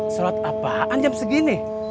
selat apaan jam segini